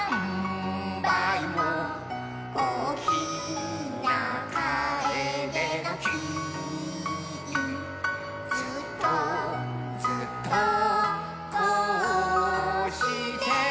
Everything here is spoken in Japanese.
「おおきなカエデの木」「ずっとずっとこうして」